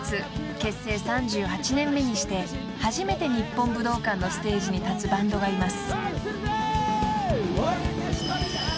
結成３８年目にして初めて日本武道館のステージに立つバンドがいます］